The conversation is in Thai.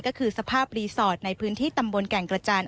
ก็คือสภาพรีสอร์ทในพื้นที่ตำบลแก่งกระจาน